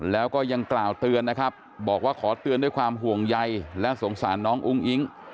แล้วก็ยังกล่าวเตือนนะครับบอกว่าขอเตือนด้วยความห่วงใยและสงสารน้องอุ้งอิ๊ง